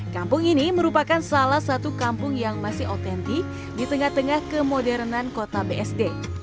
kampung ini merupakan salah satu kampung yang masih otentik di tengah tengah kemodernan kota bsd